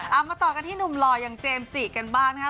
เอามาต่อกันที่หนุ่มหล่ออย่างเจมส์จิกันบ้างนะครับ